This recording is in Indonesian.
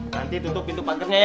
nanti tutup pintu pagarnya ya